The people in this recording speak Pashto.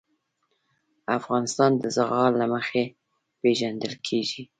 افغانستان د زغال له مخې پېژندل کېږي.